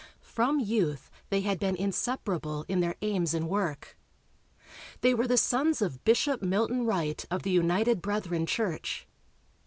From youth they had been inseparable in their aims and work. They were the sons of Bishop Milton Wright of the United Brethren Church.